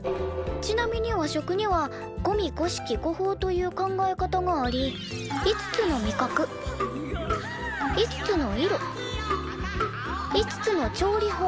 「ちなみに和食には五味五色五法という考え方があり五つの味覚五つの色五つの調理法